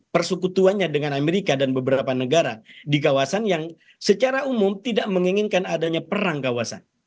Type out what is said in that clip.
persekutuannya dengan amerika dan beberapa negara di kawasan yang secara umum tidak menginginkan adanya perang kawasan